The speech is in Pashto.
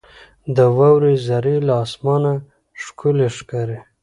• د واورې ذرې له اسمانه ښکلي ښکاري.